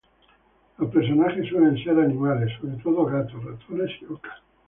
Los personajes suelen ser animales, sobre todo gatos, ratones y ocas.